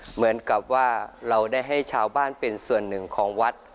เหมือนกับว่าเราได้ให้ชาวบ้านเป็นส่วนหนึ่งของวัด